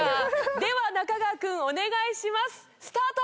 では中川君お願いします！スタート！